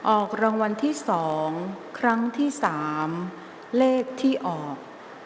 ออกรางวัลที่๒ครั้งที่๓เลขที่ออก